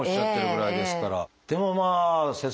でもまあ先生